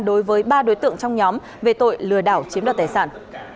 đối với ba đối tượng trong nhóm về tội lừa đảo chiếm đoạt tài sản